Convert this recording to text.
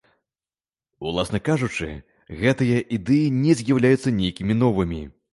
Уласна кажучы, гэтыя ідэі не з'яўляюцца нейкімі новымі.